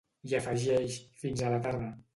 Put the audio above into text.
I afegeix «Fins a la tarda».